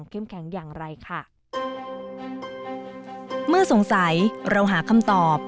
เข้มแข็งอย่างไรค่ะ